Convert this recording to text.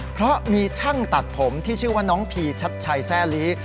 เพราะมีช่างตัดผมที่ชื่อว่าน้องพีชัดชัยแซ่ลี